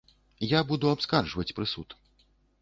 Я буду абскарджваць прысуд.